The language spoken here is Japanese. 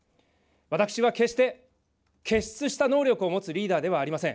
私は決して、傑出した能力を持つリーダーではありません。